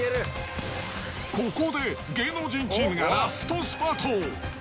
ここで芸能人チームがラストスパート。